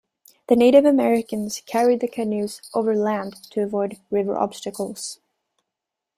The Native Americans carried their canoes over land to avoid river obstacles.